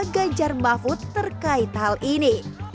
ganjar mahfud terkait hal ini